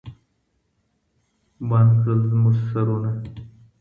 بند کړل زموږ سرونه